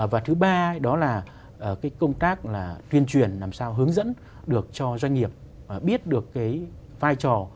và thứ ba đó là cái công tác là tuyên truyền làm sao hướng dẫn được cho doanh nghiệp biết được cái vai trò